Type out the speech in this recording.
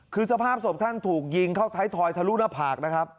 คือสภาพศพท่านถูกยิงเข้าท้ายทอยทะลุหน้าผากนะครับ